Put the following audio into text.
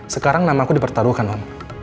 sekarang nama aku dipertaruhkan om